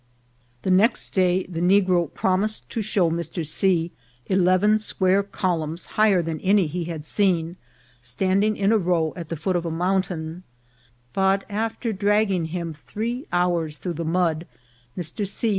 The next day the negro promised to show Mr. C. eleven square columns higher than any he had seen, F.Cai A LOST CITY. 123 standing in a row at the foot of a mountain ; but after dragging him three hours through the mud, Mr. C.